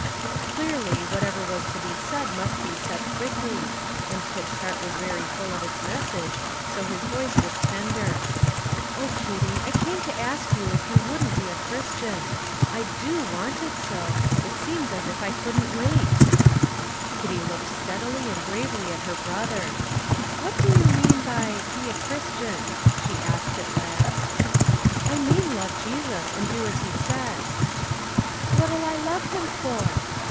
Clearly, whatever was to be said must be said quickly, and Tip's heart was very full of its message, so his voice was tender: "Oh, Kitty, I came to ask you if you wouldn't be a Christian. I do want it so, it seems as if I couldn't wait." Kitty looked steadily and gravely at her brother. "What do you mean by 'be a Christian?'" she asked at last. "I mean love Jesus, and do as He says." "What'll I love Him for?"